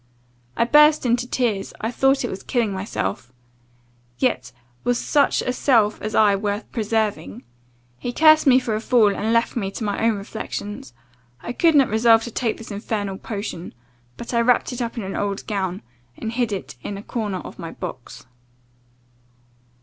I burst into tears, I thought it was killing myself yet was such a self as I worth preserving? He cursed me for a fool, and left me to my own reflections. I could not resolve to take this infernal potion; but I wrapped it up in an old gown, and hid it in a corner of my box.